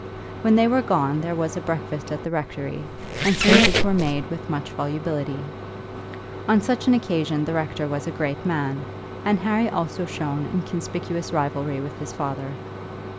When they were gone there was a breakfast at the rectory, and speeches were made with much volubility. On such an occasion the rector was a great man, and Harry also shone in conspicuous rivalry with his father.